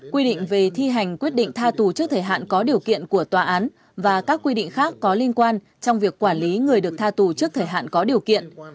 quy định về thi hành quyết định tha tù trước thời hạn có điều kiện của tòa án và các quy định khác có liên quan trong việc quản lý người được tha tù trước thời hạn có điều kiện